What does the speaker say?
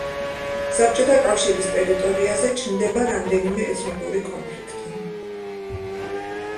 საბჭოთა კავშირის ტერიტორიაზე ჩნდება რამდენიმე ეთნიკური კონფლიქტი.